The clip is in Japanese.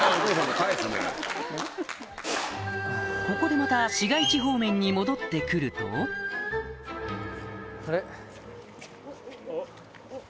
ここでまた市街地方面に戻って来るとあれ？